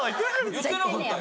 言ってなかったよ。